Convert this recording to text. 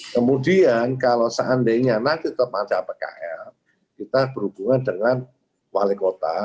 kemudian kalau seandainya nanti tetap ada pkl kita berhubungan dengan wali kota